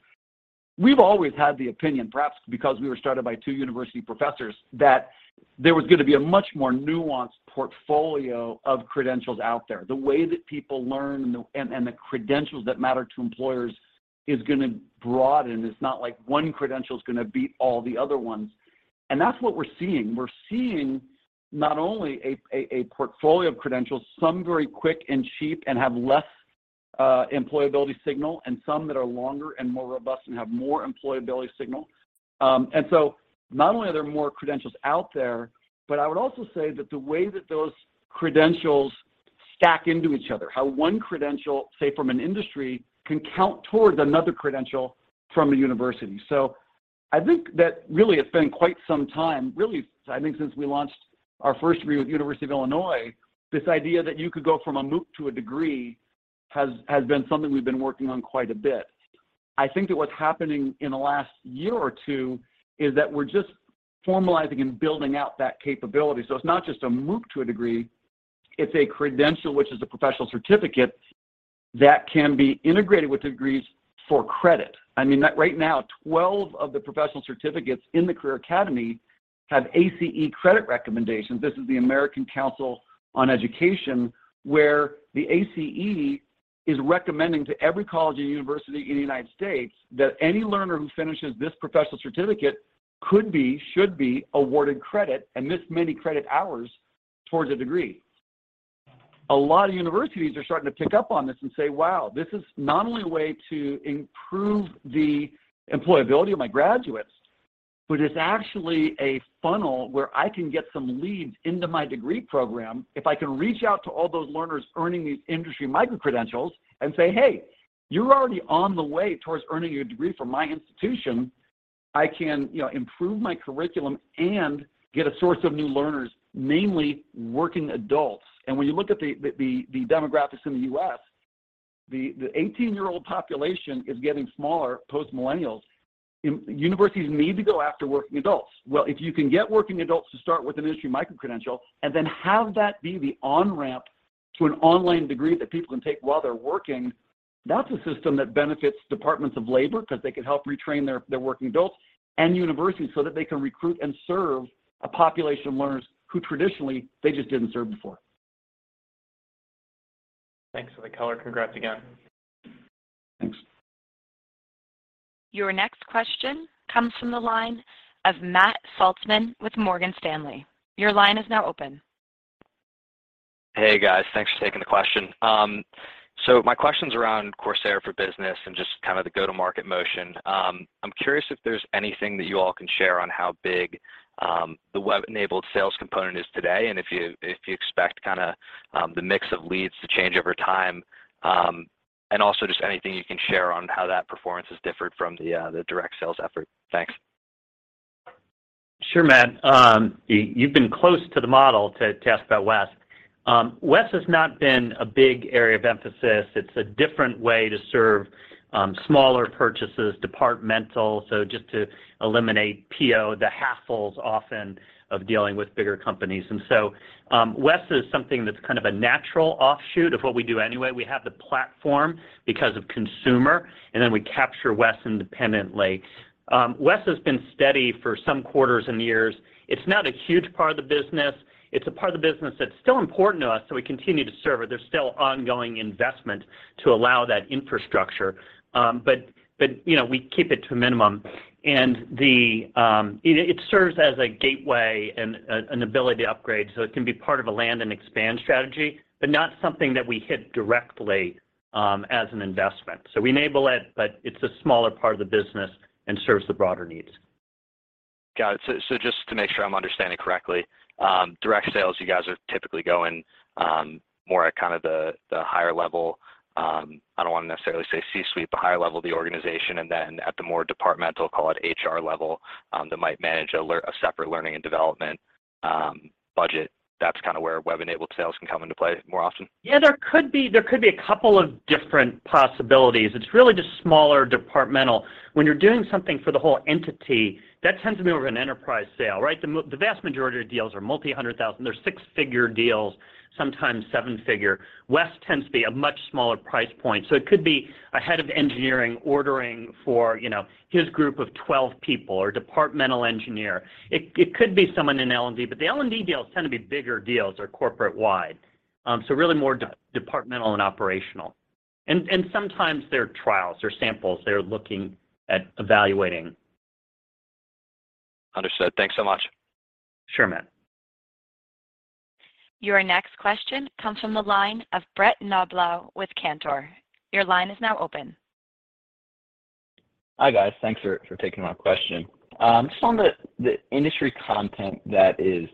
We've always had the opinion, perhaps because we were started by two university professors, that there was gonna be a much more nuanced portfolio of credentials out there. The way that people learn and the credentials that matter to employers is gonna broaden. It's not like one credential's gonna beat all the other ones, and that's what we're seeing. We're seeing not only a portfolio of credentials, some very quick and cheap and have less employability signal, and some that are longer and more robust and have more employability signal. Not only are there more credentials out there, but I would also say that the way that those credentials stack into each other, how one credential, say from an industry, can count towards another credential from a university. I think that really it's been quite some time, really, I think since we launched our first degree with University of Illinois, this idea that you could go from a MOOC to a degree has been something we've been working on quite a bit. I think that what's happening in the last year or two is that we're just formalizing and building out that capability. It's not just a MOOC to a degree, it's a credential, which is a professional certificate that can be integrated with degrees for credit. I mean, right now, 12 of the Professional Certificates in the Career Academy have ACE Credit recommendations. This is the American Council on Education, where the ACE is recommending to every college and university in the United States that any learner who finishes this professional certificate could be, should be awarded credit, and this many credit hours towards a degree. A lot of universities are starting to pick up on this and say, "Wow, this is not only a way to improve the employability of my graduates, but it's actually a funnel where I can get some leads into my degree program. If I can reach out to all those learners earning these industry micro-credentials and say, 'Hey, you're already on the way towards earning your degree from my institution.' I can, you know, improve my curriculum and get a source of new learners, namely working adults." When you look at the demographics in the U.S., the 18-year-old population is getting smaller, post-millennials. Universities need to go after working adults. Well, if you can get working adults to start with an industry micro-credential, and then have that be the on-ramp to an online degree that people can take while they're working, that's a system that benefits departments of labor because they can help retrain their working adults and universities so that they can recruit and serve a population of learners who traditionally they just didn't serve before.
Thanks for the color. Congrats again.
Thanks.
Your next question comes from the line of Matt Saltzman with Morgan Stanley. Your line is now open.
Hey, guys. Thanks for taking the question. My question's around Coursera for Business and just kind of the go-to-market motion. I'm curious if there's anything that you all can share on how big the Web-Enabled Sales component is today and if you expect kinda the mix of leads to change over time. Also just anything you can share on how that performance is different from the direct sales effort. Thanks.
Sure, Matt. You've been close to the model to ask about WES. WES has not been a big area of emphasis. It's a different way to serve smaller purchases, departmental, so just to eliminate PO, the hassles often of dealing with bigger companies. WES is something that's kind of a natural offshoot of what we do anyway. We have the platform because of consumer, and then we capture WES independently. WES has been steady for some quarters and years. It's not a huge part of the business. It's a part of the business that's still important to us, so we continue to serve it. There's still ongoing investment to allow that infrastructure. But, you know, we keep it to a minimum. It serves as a gateway and an ability to upgrade, so it can be part of a land and expand strategy, but not something that we hit directly as an investment. We enable it, but it's a smaller part of the business and serves the broader needs.
Got it. Just to make sure I'm understanding correctly, direct sales, you guys are typically going more at kind of the higher level, I don't want to necessarily say C-suite, but higher level of the organization, and then at the more departmental, call it HR level, that might manage a separate learning and development budget. That's kind of where web-enabled sales can come into play more often.
Yeah. There could be a couple of different possibilities. It's really just smaller departmental. When you're doing something for the whole entity, that tends to be more of an Enterprise sale, right? The vast majority of deals are multi-hundred thousand. They're six-figure deals, sometimes seven-figure. WES tends to be a much smaller price point, so it could be a head of engineering ordering for, you know, his group of 12 people or departmental engineer. It could be someone in L&D, but the L&D deals tend to be bigger deals or corporate-wide. So really more departmental and operational. Sometimes they're trials or samples they're looking at evaluating.
Understood. Thanks so much.
Sure, Matt.
Your next question comes from the line of Brett Knoblauch with Cantor. Your line is now open.
Hi, guys. Thanks for taking my question. Just on the industry content that is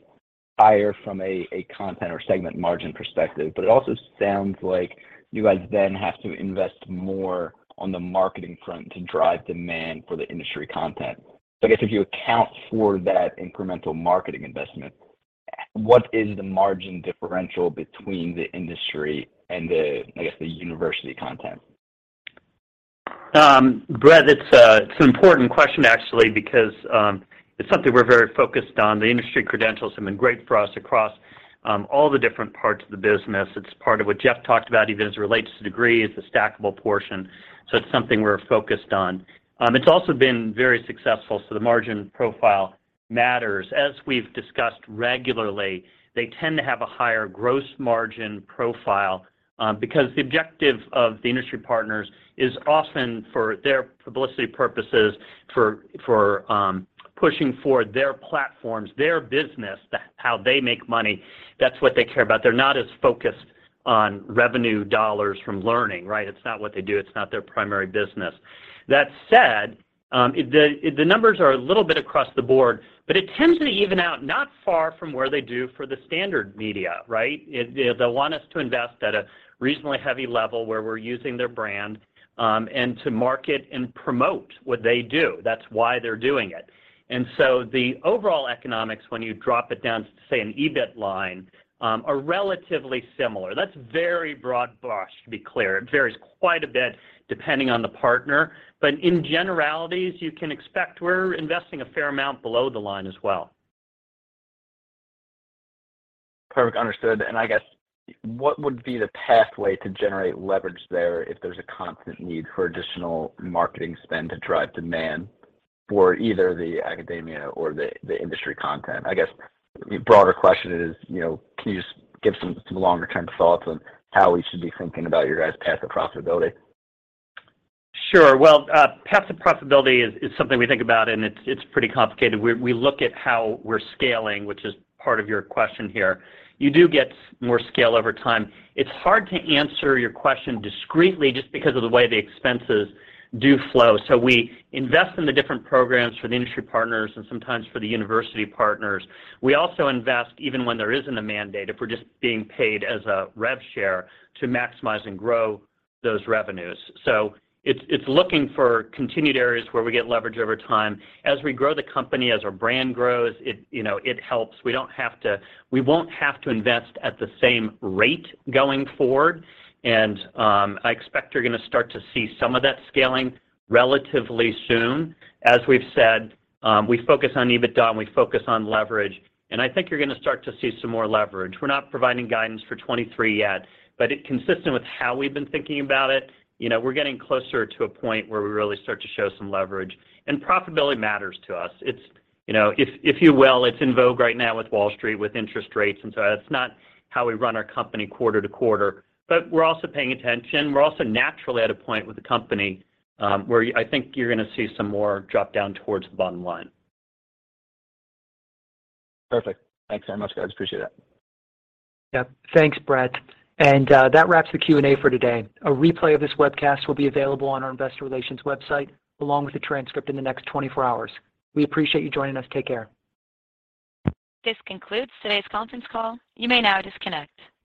higher from a content or segment margin perspective, but it also sounds like you guys then have to invest more on the marketing front to drive demand for the industry content. I guess if you account for that incremental marketing investment, what is the margin differential between the industry and the university content?
Brett, it's an important question actually because it's something we're very focused on. The industry credentials have been great for us across all the different parts of the business. It's part of what Jeff talked about even as it relates to degree. It's a stackable portion, so it's something we're focused on. It's also been very successful, so the margin profile matters. As we've discussed regularly, they tend to have a higher gross margin profile because the objective of the industry partners is often for their publicity purposes for pushing for their platforms, their business, how they make money. That's what they care about. They're not as focused on revenue dollars from learning, right? It's not what they do. It's not their primary business. That said, the numbers are a little bit across the board, but it tends to even out not far from where they do for the standard media, right? They'll want us to invest at a reasonably heavy level where we're using their brand, and to market and promote what they do. That's why they're doing it. The overall economics when you drop it down to, say, an EBIT line, are relatively similar. That's very broad brush to be clear. It varies quite a bit depending on the partner. In generalities, you can expect we're investing a fair amount below the line as well.
Perfect. Understood. I guess what would be the pathway to generate leverage there if there's a constant need for additional marketing spend to drive demand for either the academia or the industry content? I guess the broader question is, you know, can you just give some longer-term thoughts on how we should be thinking about your guys' path to profitability?
Sure. Well, path to profitability is something we think about, and it's pretty complicated. We look at how we're scaling, which is part of your question here. You do get more scale over time. It's hard to answer your question discreetly just because of the way the expenses do flow. We invest in the different programs for the industry partners and sometimes for the university partners. We also invest even when there isn't a mandate, if we're just being paid as a rev share to maximize and grow those revenues. It's looking for continued areas where we get leverage over time. As we grow the company, as our brand grows, it, you know, it helps. We don't have to. We won't have to invest at the same rate going forward, and I expect you're gonna start to see some of that scaling relatively soon. As we've said, we focus on EBITDA, and we focus on leverage, and I think you're gonna start to see some more leverage. We're not providing guidance for 2023 yet, but it's consistent with how we've been thinking about it. You know, we're getting closer to a point where we really start to show some leverage. Profitability matters to us. It's, you know, if you will, it's in vogue right now with Wall Street, with interest rates, and so that's not how we run our company quarter to quarter. But we're also paying attention. We're also naturally at a point with the company, where I think you're gonna see some more drop down towards the bottom line.
Perfect. Thanks very much, guys. Appreciate it.
Yep. Thanks, Brett. That wraps the Q&A for today. A replay of this webcast will be available on our investor relations website, along with a transcript in the next 24 hours. We appreciate you joining us. Take care.
This concludes today's conference call. You may now disconnect.